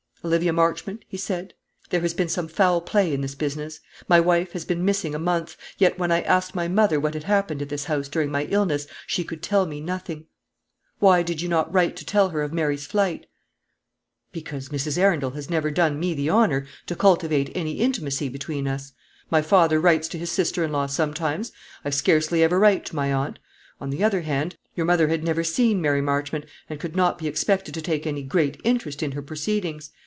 "Olivia Marchmont," he said, "there has been some foul play in this business. My wife has been missing a month; yet when I asked my mother what had happened at this house during my illness, she could tell me nothing. Why did you not write to tell her of Mary's flight?" "Because Mrs. Arundel has never done me the honour to cultivate any intimacy between us. My father writes to his sister in law sometimes; I scarcely ever write to my aunt. On the other hand, your mother had never seen Mary Marchmont, and could not be expected to take any great interest in her proceedings.